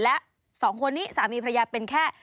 และสองคนนี้สามีภรรยาเป็นแค่